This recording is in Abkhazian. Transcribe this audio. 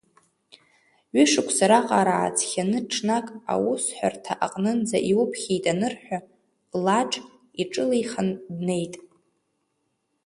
Ҩышықәса раҟара ааҵхьаны ҽнак, аусҳәарҭа аҟнынӡа иуԥхьеит анырҳәа, Лаџ иҿылеихан днеит.